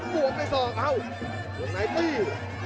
บวกด้วยศอกอ้าววงไหนตี